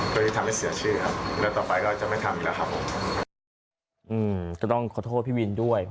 ก็ต้องขอโทษพี่วินด้วย